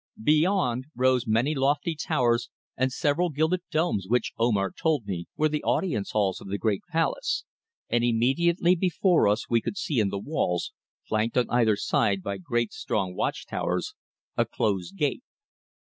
Beyond, rose many lofty towers and several gilded domes which, Omar told me, were the audience halls of the great palace, and immediately before us we could see in the walls, flanked on either side by great strong watch towers, a closed gate.